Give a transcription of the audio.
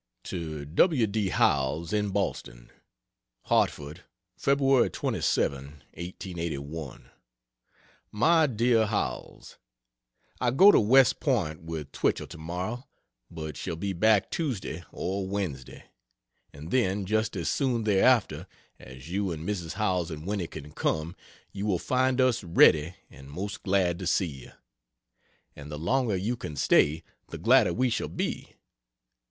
To W. D. Howells, in Boston: HARTFORD, Feb. 27, 1881. MY DEAR HOWELLS, I go to West Point with Twichell tomorrow, but shall be back Tuesday or Wednesday; and then just as soon thereafter as you and Mrs. Howells and Winny can come you will find us ready and most glad to see you and the longer you can stay the gladder we shall be.